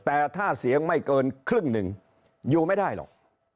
แต่ถ้าเสียงไม่เกินครึ่งหนึ่งอยู่ไม่ได้หรอก